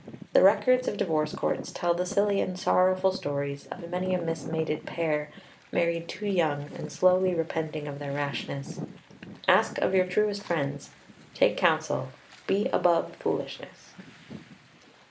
The records of divorce courts tell the silly and sorrowful stories of many a mismated pair, married too young and slowly repenting of their rashness. Ask of your truest friends; take counsel; be above foolishness.